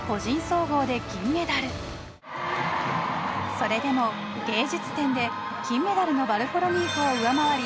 それでも芸術点で金メダルのヴァルフォロミーフを上回り